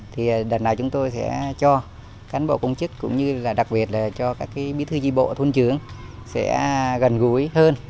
thì đợt nào chúng tôi sẽ cho cán bộ công chức cũng như đặc biệt cho các bí thư di bộ thôn trướng sẽ gần gũi hơn